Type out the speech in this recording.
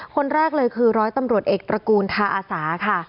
คนแรกเลยคือร้อยตำรวจเอกตระกูลทาอาสาค่ะ